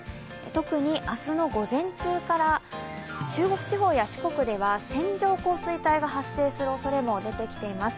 特に明日の午前中から中国地方や四国では線状降水帯が発生するおそれも出てきています。